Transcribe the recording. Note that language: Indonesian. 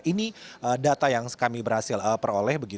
ini data yang kami berhasil peroleh